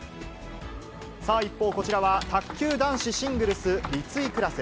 さあ、一方、こちらは卓球男子シングルス立位クラス。